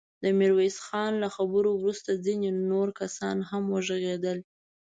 د ميرويس خان له خبرو وروسته ځينې نور کسان هم وغږېدل.